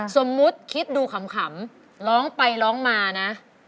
สมมุติคิดดูขำร้องไปร้องมานะ